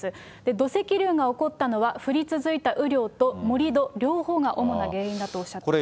土石流が起こったのは、降り続いた雨量と盛り土、両方が主な原因だとおっしゃっています。